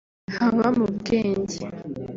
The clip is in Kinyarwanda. haba mu bwenge